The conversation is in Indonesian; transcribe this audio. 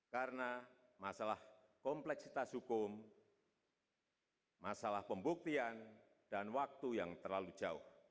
karena masalah kompleksitas hukum masalah pembuktian dan waktu yang terlalu jauh